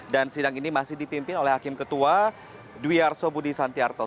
sidang ini masih dipimpin oleh hakim ketua dwi arso budi santiarto